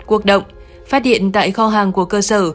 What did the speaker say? quốc động phát hiện tại kho hàng của cơ sở